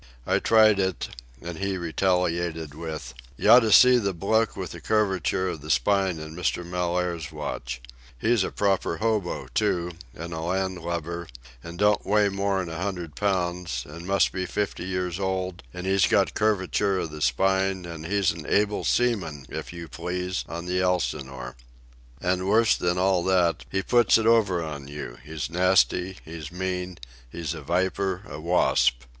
I tried it, and he retaliated with: "You oughta see the bloke with curvature of the spine in Mr. Mellaire's watch. He's a proper hobo, too, and a land lubber, and don't weigh more'n a hundred pounds, and must be fifty years old, and he's got curvature of the spine, and he's able seaman, if you please, on the Elsinore. And worse than all that, he puts it over on you; he's nasty, he's mean, he's a viper, a wasp.